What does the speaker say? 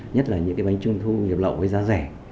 nhất là những cái bánh trung thu nhập lậu với giá rẻ